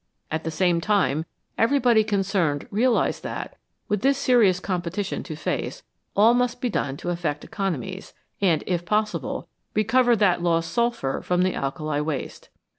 At the same time everybody concerned realised that, with this serious competition to face, all must be done to effect economies, and, if possible, recover that lost sulphur from the alkali waste.